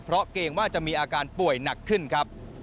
เพราะเกรงว่าจะมีอาการป่วยหนักขึ้นครับ